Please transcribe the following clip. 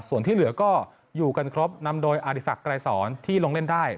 ส่วนที่เหลือก็อยู่กันครบนำโดยอดิสักไกรสอนที่ลงเล่นได้